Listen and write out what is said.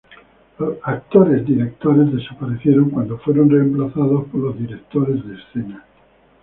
Los "actores-directores" desaparecieron cuando fueron reemplazados por los directores de escena.